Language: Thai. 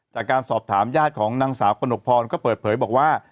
จากการสอบถามญาติของนางสาวกระหนกพรก็เปิดเผยบอกว่า